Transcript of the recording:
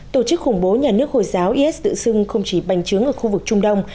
tổ chức khủng bố nhà nước hồi giáo is tự xưng không chỉ bành trướng ở khu vực trung đông